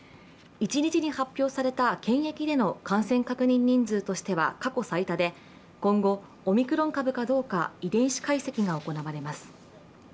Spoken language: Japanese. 一日に発表された検疫での感染確認人数としては過去最多で今後、オミクロン株かどうか遺伝子解析が行われます。